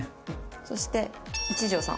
そして一条さん。